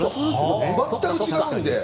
全く違うので。